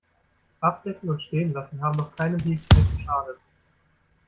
Abdecken und stehen lassen haben noch keinem Hefeteig geschadet.